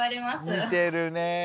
似てるね。